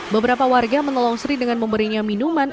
beberapa warga menolong seri dengan memberinya minuman